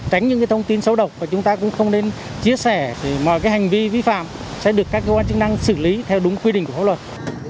tránh những cái thông tin xấu độc và chúng ta cũng không nên chia sẻ mọi cái hành vi vi phạm sẽ được các cơ quan chức năng xử lý theo đúng quy định của hóa luật